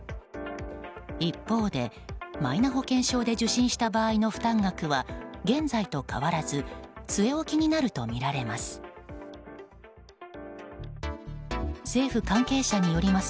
一方で、マイナ保険証で受診した場合の負担額は現在と変わらず据え置きになるとみられます。